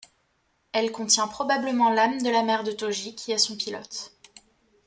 Elle contient probablement l'âme de la mère de Tōji qui est son pilote.